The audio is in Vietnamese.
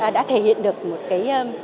đã thể hiện được một cái